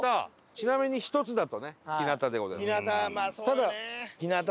ちなみに１つだとね日向でございます。